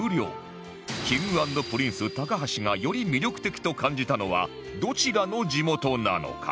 Ｋｉｎｇ＆Ｐｒｉｎｃｅ 橋がより魅力的と感じたのはどちらの地元なのか？